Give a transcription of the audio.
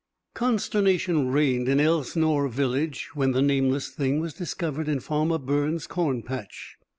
] Consternation reigned in Elsnore village when the Nameless Thing was discovered in Farmer Burns' corn patch.